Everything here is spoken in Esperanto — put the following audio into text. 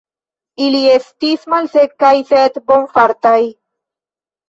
Ili estis malsekaj, sed bonfartaj.